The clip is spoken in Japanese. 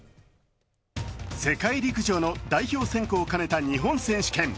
世界陸上の代表選考を兼ねた日本選手権。